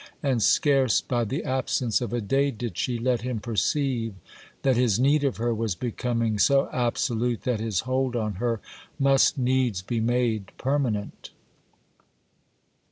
and scarce by the absence of a day did she let him perceive that his need of her was becoming so absolute that his hold on her must needs be made permanent.